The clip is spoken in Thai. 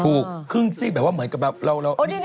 ถูกคึ่งซี่แบบว่าเหมือนกับเรา